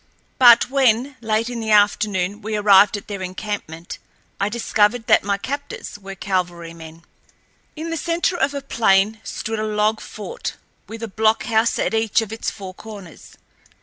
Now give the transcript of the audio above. But when, late in the afternoon, we arrived at their encampment, I discovered that my captors were cavalrymen. In the center of a plain stood a log fort, with a blockhouse at each of its four corners.